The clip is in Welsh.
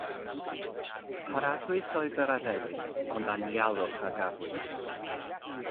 Paradwys oedd yr addewid, ond anialwch a gafwyd.